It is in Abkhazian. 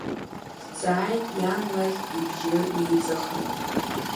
Дҵааит иан лахь ибжьы ҩеиҵыхны.